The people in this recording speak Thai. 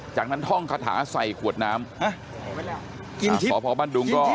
จากนั้นท่องคาถาใส่ขวดน้ำฮะเอาไว้แล้วกินทิพย์พ่อพ่อบ้านดุงก็